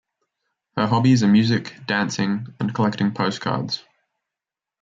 Her hobbies are music, dancing and collecting postcards.